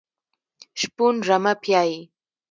شپون رمه پيایي.